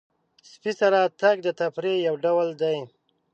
سپي سره تګ د تفریح یو ډول دی.